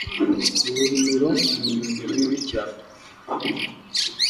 uburimiro ni ibintu bibi cyane